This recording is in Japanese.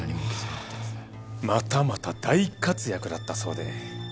またまた大活躍だったそうで。